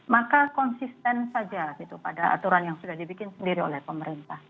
maka konsisten saja gitu pada aturan yang sudah dibikin sendiri oleh pemerintah